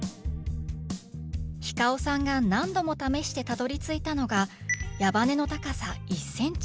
ｈｉｃａｏさんが何度も試してたどりついたのが矢羽根の高さ１ｃｍ。